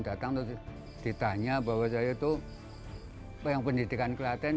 datang terus ditanya bahwa saya itu pendidikan kelantan